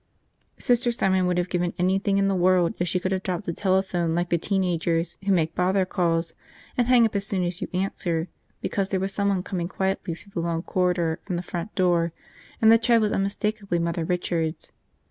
Sister Simon would have given anything in the world if she could have dropped the telephone like the teen agers who make bother calls and hang up as soon as you answer; because there was someone coming quietly through the long corridor from the front door, and the tread was unmistakably Mother Richard's.